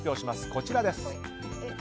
こちらです。